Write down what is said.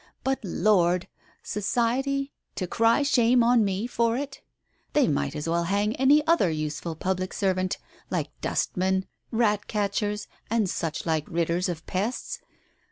But Lord !— Society, to cry shame on me for it I They might as well hang any other useful public servant, like dustmen, rat catchers, and such like ridders of pests.